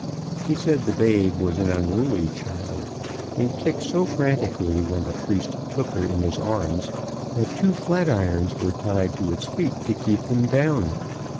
He said the babe was an unruly child, and kicked so frantically when the priest took her in his arms that two flatirons were tied to its feet to keep them down.